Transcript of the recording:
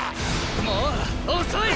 もう遅い！